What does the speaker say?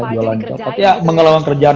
kerjaan apa aja yang dikerjain